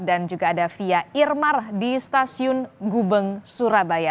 dan juga ada fia irmar di stasiun gubeng surabaya